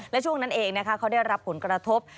และช่วงนั้นเองนะคะเขาได้รับผลกระทบ